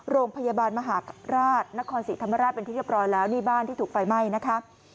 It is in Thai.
โรงพยาบาลมหาราชนครศรีธรรมราชเป็นที่เรียบร้อยแล้วนี่บ้านที่ถูกไฟไหม้นะคะ